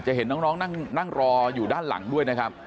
เห็นน้องนั่งรออยู่ด้านหลังด้วยนะครับ